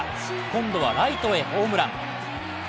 今度はライトへホームラン。